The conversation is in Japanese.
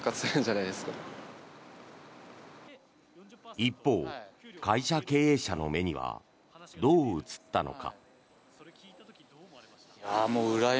一方、会社経営者の目にはどう映ったのか。